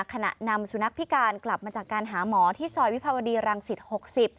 ขณะนำสุนัขพิการกลับมาจากการหาหมอที่ซอยวิภาวดีรังสิต๖๐